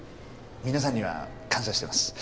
皆さんには感謝してます。